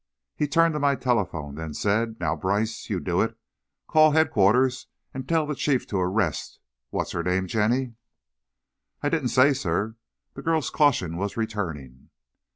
He turned to my telephone, then said: "No, Brice, you do it. Call Headquarters and tell the Chief to arrest, what's her name, Jenny?" "I I didn't say, sir." The girl's caution was returning.